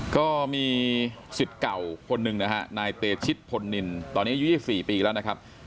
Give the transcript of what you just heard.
ก็มีสิทธิ์เก่าคนหนึ่งนะฮะนายเตชิตพลนินตอนนี้อายุ๒๔ปีแล้วนะครับ